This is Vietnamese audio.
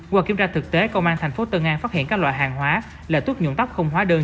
qua kiểm tra thực tế công an tp tân an phát hiện các loại hàng hóa là thuốc nhuộm tóc không hóa đơn